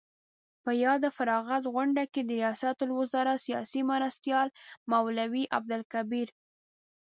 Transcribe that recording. په یاده فراغت غونډه کې د ریاست الوزراء سیاسي مرستیال مولوي عبدالکبیر